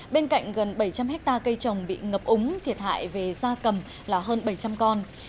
bên cạnh gần bảy trăm linh hectare cây trồng bị ngập úng thiệt hại về da cầm là hơn bảy trăm linh con